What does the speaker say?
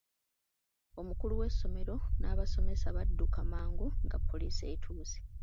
Omukulu w'essomero n'abasomesa badduka mangu nga poliisi etuuse.